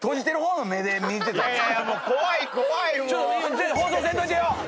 ちょっと放送せんといてよ。